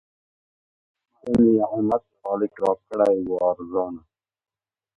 څه نعمت خالق راکړی وو ارزانه